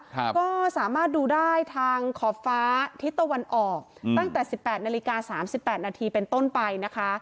ก็สามารถดูได้ทางขอบฟ้าที่ตะวันออกตั้งแต่๑๘นาฬิกา๓๘นาทีเป็นต้นไปนะคะ